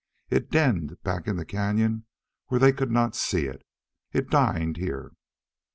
It denned back in the cañon where they could not see it. It dined here.